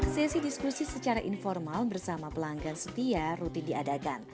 sesi diskusi secara informal bersama pelanggan setia rutin diadakan